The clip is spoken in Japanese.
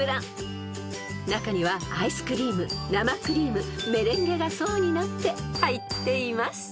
［中にはアイスクリーム生クリームメレンゲが層になって入っています］